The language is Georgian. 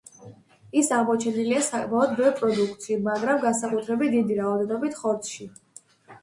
ის აღმოჩენილია საკმაოდ ბევრ პროდუქტში, მაგრამ განსაკუთრებით დიდი რაოდენობით ხორცში.